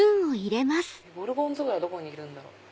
ゴルゴンゾーラどこにいるんだろう？